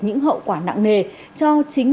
những hậu quả nặng nề cho chính